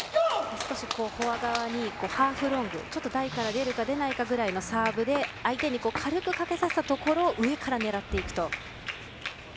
少しフォア側にハーフロングちょっと台から出るか出ないかのサーブで相手に軽くかけさせたところ上から狙っていくと。